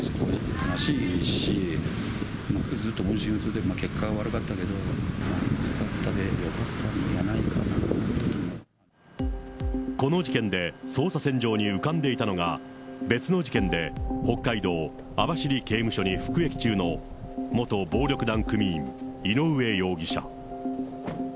悲しいし、ずっと音信不通で、結果は悪かったけど、見つかったで、この事件で、捜査線上に浮かんでいたのが、別の事件で北海道網走刑務所に服役中の元暴力団組員、井上容疑者。